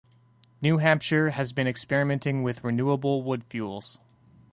New Hampshire has been experimenting with renewable wood fuels.